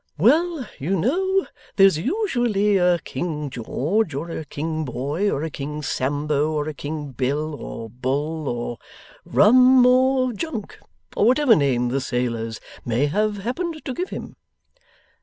'Well, you know, there's usually a King George, or a King Boy, or a King Sambo, or a King Bill, or Bull, or Rum, or Junk, or whatever name the sailors may have happened to give him.